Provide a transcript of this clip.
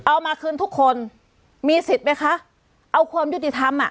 เอามาคืนทุกคนมีสิทธิ์ไหมคะเอาความยุติธรรมอ่ะ